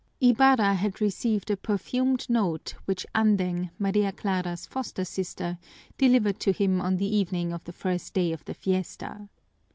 Ibarra had received a perfumed note which Andeng, Maria Clara's foster sister, delivered to him on the evening of the first day of the fiesta.